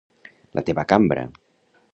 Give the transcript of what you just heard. La teva cambra!